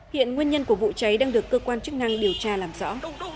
hiện nguyên nhân của vụ cháy đang được cơ quan chức năng điều tra làm rõ